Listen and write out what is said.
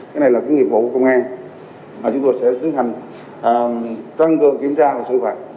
cái này là cái nghiệp vụ công an mà chúng tôi sẽ tiến hành tăng cường kiểm tra và xử phạt